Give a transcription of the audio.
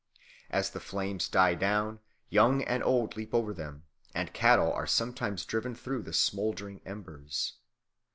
As the flames die down, young and old leap over them, and cattle are sometimes driven through the smouldering embers.